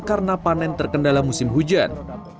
karena panen terkendala musim hujan